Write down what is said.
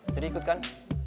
jadi ikut kan